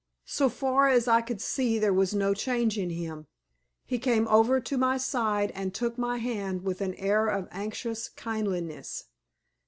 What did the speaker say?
So far as I could see there was no change in him. He came over to my side and took my hand with an air of anxious kindliness.